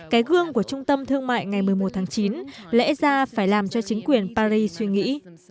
cái gương của trung tâm thương mại ngày một mươi một tháng chín lẽ ra phải làm cho chính quyền paris suy nghĩ